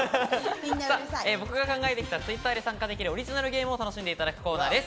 僕が考えてきたＴｗｉｔｔｅｒで参加できるオリジナルゲームを楽しんでいただくコーナーです。